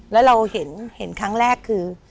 แล้วเราเห็นครั้งแรกคือ